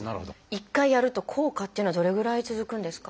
一回やると効果っていうのはどれぐらい続くんですか？